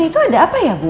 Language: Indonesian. nino itu ada apa ya bu